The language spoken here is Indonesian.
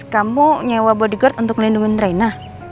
kamu nyewa bodyguard untuk melindungi nrena